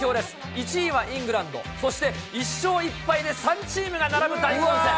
１位はイングランド、そして１勝１敗で３チームが並ぶ大混戦。